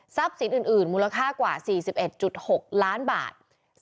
สินอื่นมูลค่ากว่า๔๑๖ล้านบาท